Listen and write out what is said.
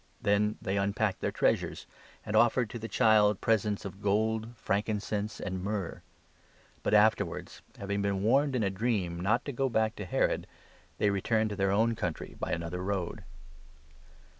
Then they unpacked their treasures, and offered to the child presents of gold, frankincense, and myrrh. But 12 afterwards, having been warned in a dream not to go back to Herod, they returned to their own country by another road.